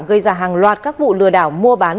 gây ra hàng loạt các vụ lừa đảo mua bán